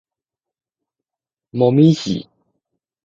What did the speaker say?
紅葉